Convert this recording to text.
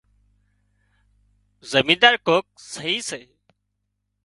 زمينۮار ڪوڪ سئي سي